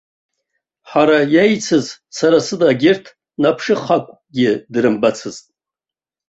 Ҳара еицыз сара сыда егьырҭ наԥшыхақәгьы дрымбацызт.